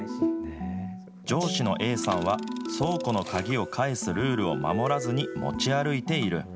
上司のＡさんは、倉庫の鍵を返すルールを守らずに持ち歩いている。